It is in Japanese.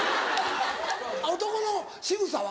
男のしぐさは？